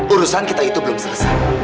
urusan kita itu belum selesai